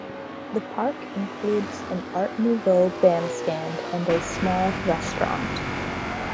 The park includes an Art Nouveau bandstand and a small restaurant.